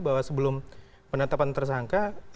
bahwa sebelum penetapan tersangka